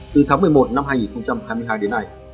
từ tháng một mươi một năm hai nghìn hai mươi hai đến nay